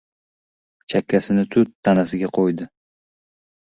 Chakkasini tut tanasiga qo‘ydi.